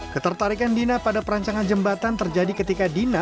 ketertarikan dina pada perancangan jembatan terjadi ketika dina